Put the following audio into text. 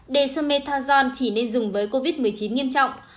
dơmethanol chỉ nên dùng với covid một mươi chín nghiêm trọng